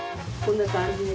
こんな感じ。